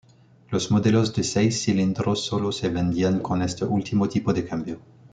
Los modelos de seis cilindros sólo se vendían con este último tipo de cambio.